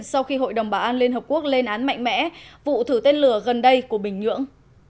sau khi hội đồng bảo an liên hợp quốc lên án mạnh mẽ vụ thử tên lửa gần đây của bình nhưỡng